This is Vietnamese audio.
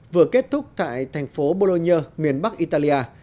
vừa kết thúc tại thành phố borone miền bắc italia